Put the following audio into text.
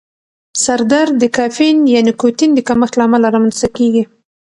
سر درد د کافین یا نیکوتین د کمښت له امله رامنځته کېږي.